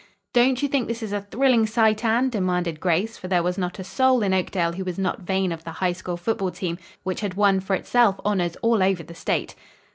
"Don't you think this is a thrilling sight, Anne?" demanded Grace, for there was not a soul in Oakdale who was not vain of the High School football team, which had won for itself honors all over the state.